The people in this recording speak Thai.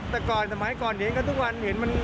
แต่ก่อนสมัยก่อนอย่างกับทุกวัน